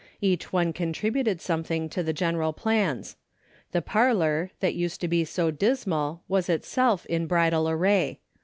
Each one contributed something to the general plans. The parlor, that used to be so dismal Avas itself in bridal array.